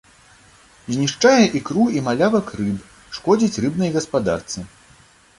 Знішчае ікру і малявак рыб, шкодзіць рыбнай гаспадарцы.